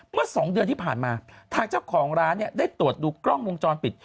เมื่อสองเดือนที่ผ่านมาทางเจ้าของร้านเนี่ยได้ตรวจดูกล้องวงจรปิด